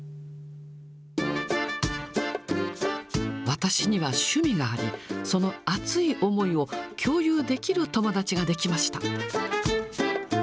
私には趣味があり、その熱い思いを共有できる友達が出来ました。